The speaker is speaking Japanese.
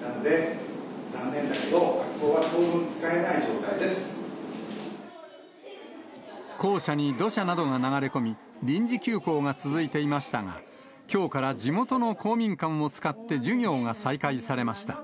なので、残念だけど、校舎に土砂などが流れ込み、臨時休校が続いていましたが、きょうから地元の公民館を使って授業が再開されました。